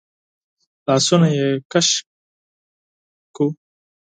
لاسونه يې کش کړل.